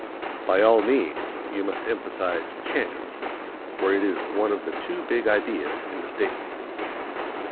By all means you must emphasize chance, for it is one of the two big ideas in the statement.